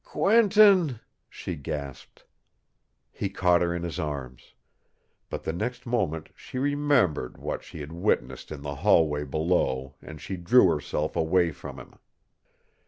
"Quentin!" she gasped. He caught her in his arms. But the next moment she remembered what she had witnessed in the hallway below and she drew herself away from him.